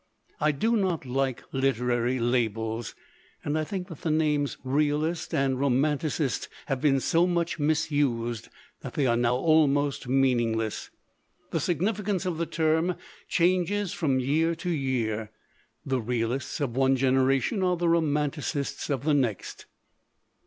"I do not like literary labels, and I think that the names 'realist' and t romanticist' have been so much misused that they are now almost mean ingless. The significance of the term changes from year to year; the realists of one generation are the romanticists of the next.